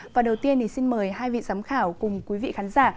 và đầu tiên thì xin mời hai vị giám khảo cùng quý vị khán giả